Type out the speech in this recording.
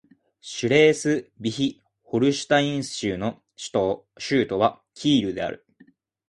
シュレースヴィヒ＝ホルシュタイン州の州都はキールである